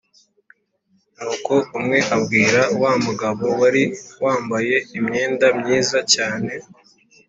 Nuko umwe abwira wa mugabo wari wambaye imyenda myiza cyane